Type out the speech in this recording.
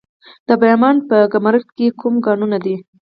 د بامیان په کهمرد کې کوم کانونه دي؟